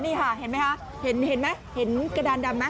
นี่ค่ะเห็นไหมครับเห็นกระดานดำไหม